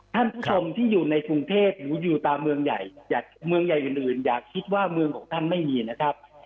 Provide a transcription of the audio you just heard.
ท่านผู้ชมที่อยู่ในกรุงเทพหรืออยู่ตามเมืองใหญ่เมืองใหญ่อื่นอย่าคิดว่าเมืองของท่านไม่มีนะครับ